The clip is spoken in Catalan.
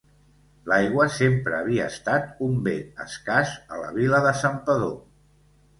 L'aigua sempre havia estat un bé escàs a la vila de Santpedor.